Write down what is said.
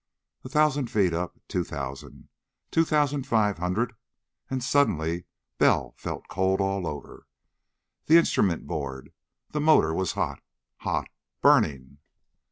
A thousand feet up. Two thousand. Two thousand five hundred.... And suddenly Bell felt cold all over. The instrument board! The motor was hot. Hot! Burning!